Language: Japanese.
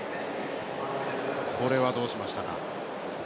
これはどうしましたか。